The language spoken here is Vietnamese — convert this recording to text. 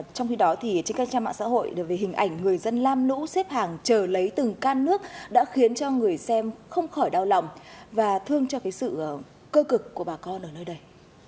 trong khi đó trên các trang mạng xã hội về hình ảnh người dân lam nũ xếp hàng chờ lấy từng can nước đã khiến cho người xem không khỏi đau lòng và thương cho sự cơ cực của bà con ở nơi đây